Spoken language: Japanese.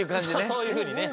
そういうふうにね。